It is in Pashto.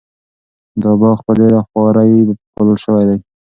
دا باغ په ډېره خواري پالل شوی دی.